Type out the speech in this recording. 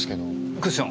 クッション？